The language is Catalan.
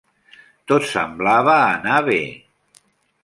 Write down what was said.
Tot semblava anar bé.